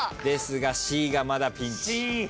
ですがＣがまだピンチ。